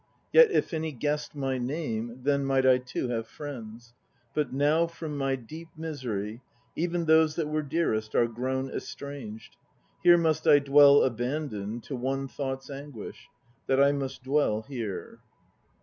Yet if any guessed my name, Then might I too have friends. But now from my deep misery Even those that were dearest Are grown estranged. Here must I dwell abandoned To one thought's anguish: That I must dwell here.